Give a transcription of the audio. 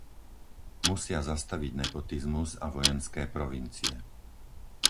Musia zastaviť nepotizmus a vojenské provincie.